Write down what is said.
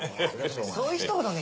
そういう人ほどね